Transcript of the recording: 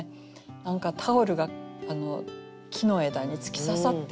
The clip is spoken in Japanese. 何かタオルが木の枝に突き刺さってる。